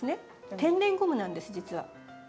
天然ゴムなんです実は。